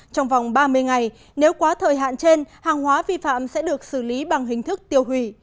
trong vòng ba mươi ngày nếu quá thời hạn trên hàng hóa vi phạm sẽ được xử lý bằng hình thức tiêu hủy